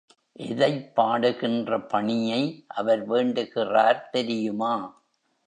எதைப் பாடுகின்ற பணியை அவர் வேண்டுகிறார் தெரியுமா?